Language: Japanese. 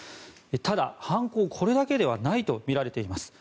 ただ犯行はこれだけではないとみられています。